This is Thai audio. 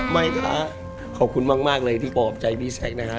ไม่ค่ะขอบคุณมากเลยที่ปอบใจพี่แซ็คนะครับ